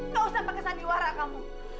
gak usah pakai sandiwara kamu